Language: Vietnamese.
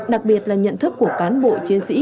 đặc biệt là nhận thức của cán bộ chiến sĩ